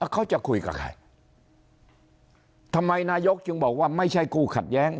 เขาจะคุยกับใครทำไมนายกจึงบอกว่าไม่ใช่กูขัดแย้ง